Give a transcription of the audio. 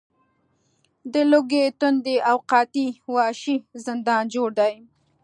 د لوږې، تندې او قحطۍ وحشي زندان جوړ دی.